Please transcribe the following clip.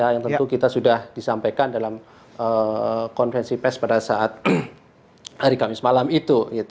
yang tentu kita sudah disampaikan dalam konvensi pes pada saat hari kamis malam itu